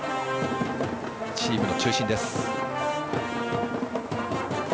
チームの中心です。